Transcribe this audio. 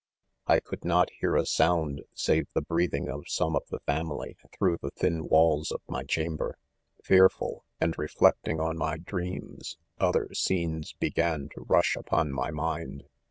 I could not hear a sound save the breathing of some of the family, through the thin walls of my chamber. Fearful, and reflecting on my dreams, other scenes began to rush upon my mind.